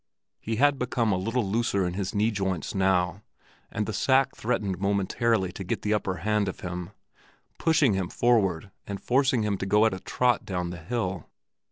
He had become a little looser in his knee joints now, and the sack threatened momentarily to get the upper hand of him, pushing him forward and forcing him to go at a trot down the hill.